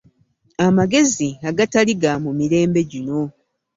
Amagezi agatali ga mu mirembe gino.